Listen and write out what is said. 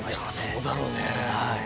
そうだろうね。